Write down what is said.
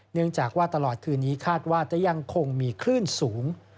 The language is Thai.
เนื่องจากว่าตลอดคืนนี้คาดว่าจะยังคงมีคลื่นสูง